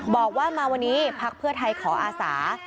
บอกว่ามาวันนี้พักเพื่อไทยขออาสา